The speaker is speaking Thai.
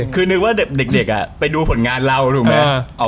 คือนึกว่าเด็กไปดูผลงานเราถูกไหม